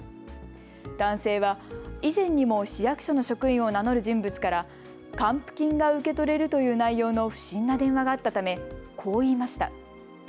男性は以前にも市役所の職員を名乗る人物から還付金が受け取れるという内容の不審な電話があったためこう言いました。